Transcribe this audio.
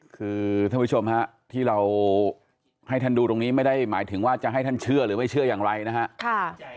คือท่านผู้ชมฮะที่เราให้ท่านดูตรงนี้ไม่ได้หมายถึงว่าจะให้ท่านเชื่อหรือไม่เชื่ออย่างไรนะฮะ